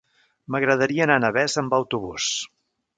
M'agradaria anar a Navès amb autobús.